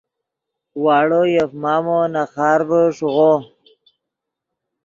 واڑو یف مامو نے خارڤے ݰیغو